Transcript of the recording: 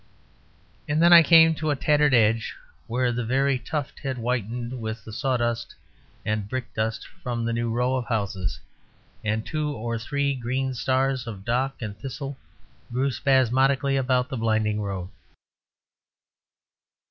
And then I came to a tattered edge where the very tuft had whitened with the sawdust and brick dust from the new row of houses; and two or three green stars of dock and thistle grew spasmodically about the blinding road.